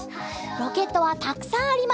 ロケットはたくさんあります。